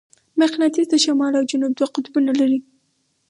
مقناطیس د شمال او جنوب دوه قطبونه لري.